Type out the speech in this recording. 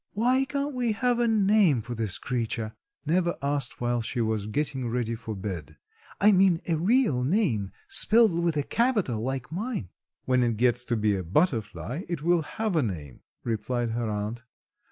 "Why can't we have a name for this creature?" Neva asked while she was getting ready for bed. "I mean a real name spelled with a capital, like mine?" "When it gets to be a butterfly it will have a name," replied her aunt.